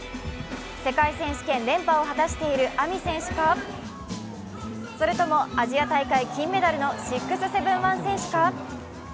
世界選手権連覇を果たしているＡＭＩ選手か、それともアジア大会金メダルの６７１選手か。